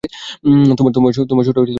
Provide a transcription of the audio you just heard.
তোমার সুরটা ঠিক ভালো লাগছে না।